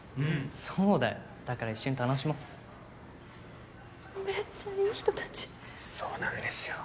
そうだよだから一緒に楽しもうめっちゃいい人たちそうなんですよ